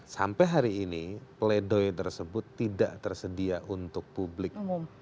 sampai hari ini pledoi tersebut tidak tersedia untuk publik